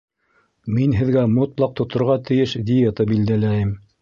Мин һеҙгә мотлаҡ тоторға тейеш диета билдәләйем